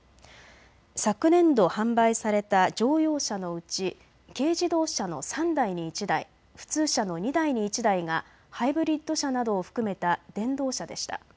昨年度、販売された乗用車のうち軽自動車の３台に１台、普通車の２台に１台がハイブリッド車などを含めた電動車でした。